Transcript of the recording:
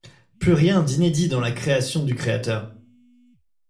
Plus rien d'inédit dans la création du créateur!